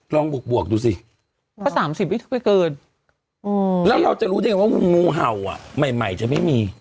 ลองบวกดูสิอ๋อแล้วเราจะรู้ได้ไงว่างูเห่าใหม่จะไม่มี